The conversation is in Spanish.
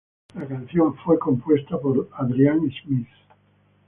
La canción fue compuesta por Adrian Smith.